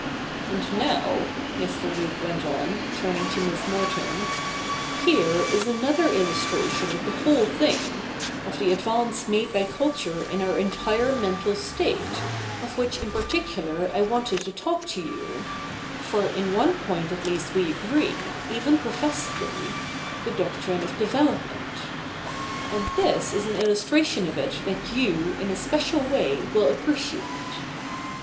And now,' Mr. Luke went on, turning to Miss Merton, ' here is another illustration of the whole thing — of the advance made by culture in our entire mental state, of which I particularly wanted to talk to you (for in one point at least we agree, even professedly — the doctrine of development), and this is an illustration of it that you in a special way will appreciate.